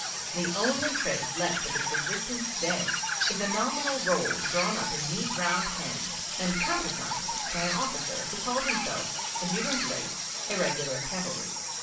The only trace left of its existence to day is a nominal roll drawn up in neat round hand and countersigned by an officer who called himself 'Adjutant, late Irregular Cavalry.'